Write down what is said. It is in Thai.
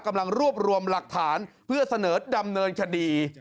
กำลังรวบรวมหลักฐานเพื่อเสนอดำเนินคดี